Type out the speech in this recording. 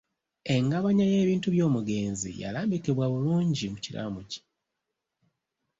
Engabanya y’ebintu by’omugenzi yalambikibwa bulungi mu kiraamo kye.